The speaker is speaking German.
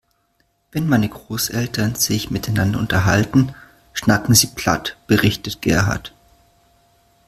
Wenn meine Großeltern sich miteinander unterhalten, schnacken sie platt, berichtet Gerhard.